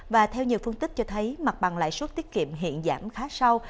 và theo nhiều phân tích cho thấy mặt bằng lãi suất tiết kiệm hiện giảm khá sâu